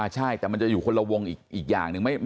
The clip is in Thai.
ใช่แต่มันจะอยู่คนละวงอีกอย่างหนึ่ง